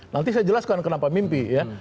nanti saya jelaskan kenapa mimpi ya